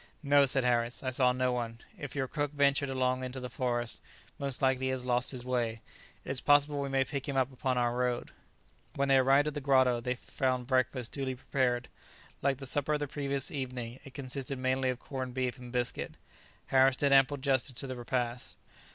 "No," said Harris, "I saw no one; if your cook ventured alone into the forest, most likely he has lost his way; it is possible we may pick him up upon our road." When they arrived at the grotto, they found breakfast duly prepared. Like the supper of the previous evening it consisted mainly of corned beef and biscuit. Harris did ample justice to the repast.